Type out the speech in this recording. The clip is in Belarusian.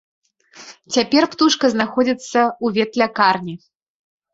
Цяпер птушка знаходзіцца ў ветлякарні.